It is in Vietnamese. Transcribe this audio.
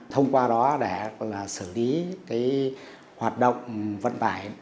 thông qua đó để xử lý hoạt động vận tải